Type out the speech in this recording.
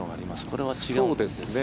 これは違うんですか。